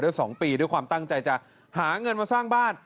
๒ปีด้วยความตั้งใจจะหาเงินมาสร้างบ้าน